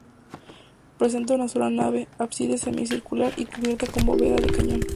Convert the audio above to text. Presenta una sola nave, ábside semicircular y cubierta con bóveda de cañón.